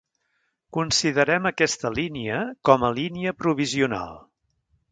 Considerem aquesta línia com a línia provisional.